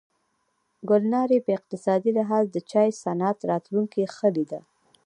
ګلنارې په اقتصادي لحاظ د چای صنعت راتلونکې ښه لیده.